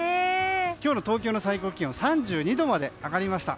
今日の東京の最高気温３２度まで上がりました。